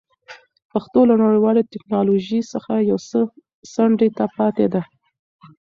پښتو له نړیوالې ټکنالوژۍ څخه یو څه څنډې ته پاتې ده.